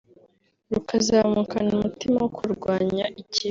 rukazamukana umutima wo kurwanya ikibi